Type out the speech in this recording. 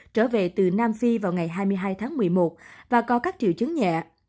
trở về từ nam phi vào ngày hai mươi hai tháng một mươi một và có các triệu chứng nhẹ